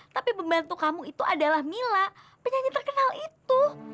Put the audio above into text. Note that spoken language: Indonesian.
tapi membantu kamu itu adalah mila penyanyi terkenal itu